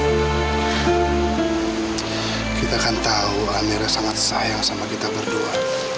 kita kan tahu amera sangat sayang sama kita berdua